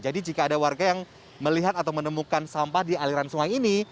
jika ada warga yang melihat atau menemukan sampah di aliran sungai ini